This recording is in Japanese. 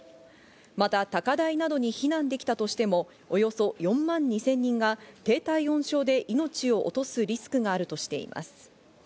また、高台などに避難できたとしてもおよそ４万２０００人が低体温症で命を落とすリスクがあるとしています。